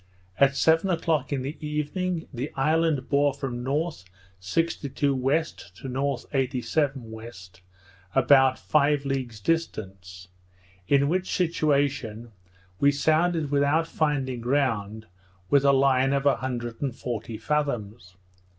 At seven o'clock in the evening, the island bore from north 62° W., to north 87° W., about five leagues distant; in which situation, we sounded without finding ground with a line of an hundred and forty fathoms.